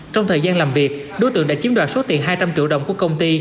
trong thời gian làm việc đối tượng đã chiếm đoạt số tiền hai trăm linh triệu đồng của công ty